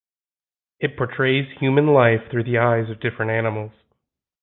It portrays human life through the eyes of different animals.